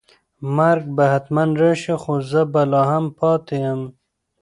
مرګ به حتماً راشي خو زه به لا هم پاتې یم.